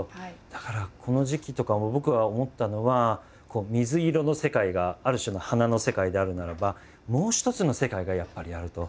だからこの時期とかも僕は思ったのは「水色」の世界がある種の花の世界であるならばもう一つの世界がやっぱりあると。